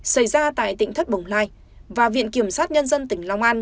xảy ra tại tỉnh thất bồng lai và viện kiểm sát nhân dân tỉnh long an